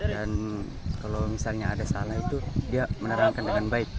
dan kalau misalnya ada salah itu dia menerangkan dengan baik